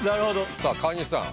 さあ川西さん。